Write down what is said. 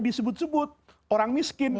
disebut sebut orang miskin